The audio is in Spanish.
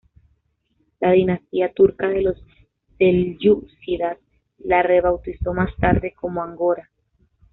La dinastía turca de los Selyúcidas la rebautizó más tarde como Angora.